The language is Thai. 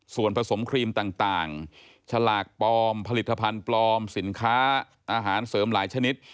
ส่วนผสมครีมต่างฉลากปลอมผลิตภัณฑ์ปลอมสินค้าอาหารเสริมหลายชนิด